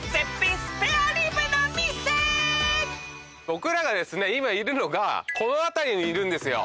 僕らがですね今いるのがこの辺りにいるんですよ。